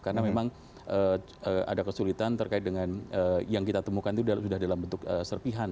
karena memang ada kesulitan terkait dengan yang kita temukan itu sudah dalam bentuk serpihan